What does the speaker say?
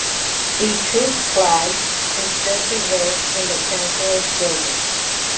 The troop's flag is still preserved in the Chancellor's building.